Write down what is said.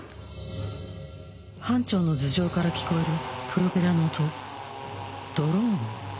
班長の頭上から聞こえるプロペラの音ドローン？